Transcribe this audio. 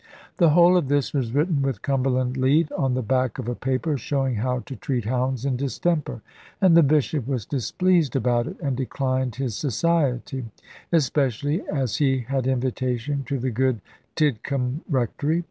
The whole of this was written with Cumberland lead, on the back of a paper, showing how to treat hounds in distemper; and the Bishop was displeased about it, and declined his society; especially as he had invitation to the good Tidcombe Rectory.